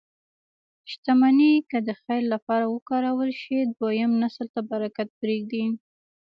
شتمني که د خیر لپاره وکارول شي، دویم نسل ته برکت پرېږدي.